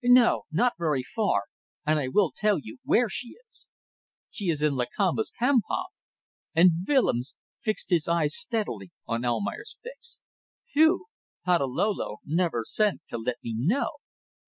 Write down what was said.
"No! not very far and I will tell you where she is. She is in Lakamba's campong." And Willems fixed his eyes steadily on Almayer's face. "Phew! Patalolo never sent to let me know.